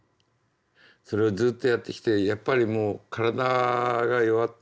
それをずっとやってきてやっぱりもう体が弱って。